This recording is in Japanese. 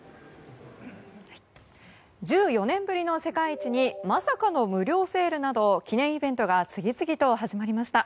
１４年ぶりの世界一にまさかの無料セールなど記念イベントが次々と始まりました。